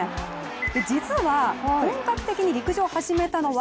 実は本格的に陸上を始めたのは